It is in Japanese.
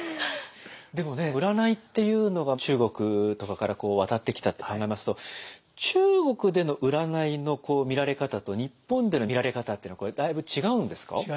でもね占いっていうのが中国とかから渡ってきたって考えますと中国での占いの見られ方と日本での見られ方ってのはだいぶ違うんですか？